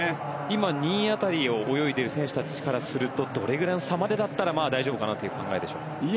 今２位辺りを泳いでいる選手たちからするとどれぐらいの差までだったら大丈夫かなという考えでしょう。